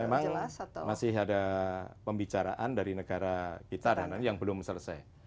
memang masih ada pembicaraan dari negara kita dan yang belum selesai